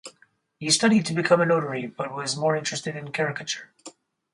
He studied to become a notary, but was more interested in caricature.